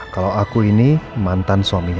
kalau aku ini mantan suaminya